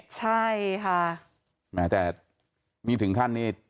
ใช่ค่ะ